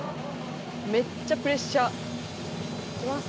めっちゃプレッシャー。いきます。